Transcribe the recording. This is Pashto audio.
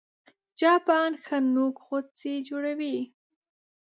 چاپان ښه نوک غوڅي جوړوي